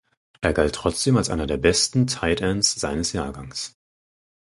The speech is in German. Er galt trotzdem als einer der besten Tight Ends seines Jahrgangs.